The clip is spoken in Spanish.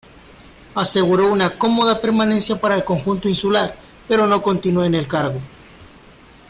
Aseguró una cómoda permanencia para el conjunto insular, pero no continuó en el cargo.